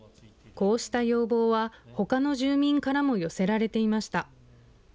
こうした要望はほかの住民からも寄せられていました。